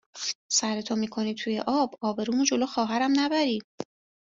سرتو میکنی توی آب آبرومو جلو خواهرم نبری